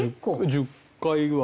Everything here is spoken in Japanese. １０回ぐらい。